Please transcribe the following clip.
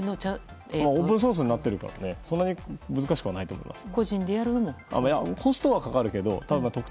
オープンソースになっているから難しくないと思いますよ。